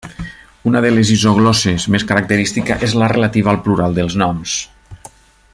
Una de les isoglosses més característica és la relativa al plural dels noms.